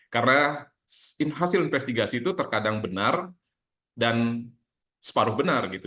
karena hasil investigasi itu terkadang benar dan separuh benar gitu